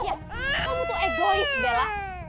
iya kamu tuh egois bella